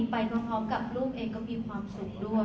ไปพร้อมกับลูกเองก็มีความสุขด้วย